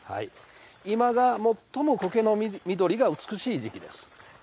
今が最も苔の緑が美しい時期です。